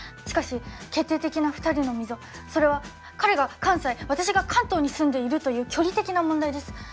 しかし決定的な２人の溝それは彼が関西私が関東に住んでいるという距離的な問題です。